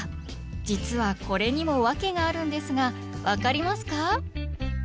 実はこれにも訳があるんですが分かりますか？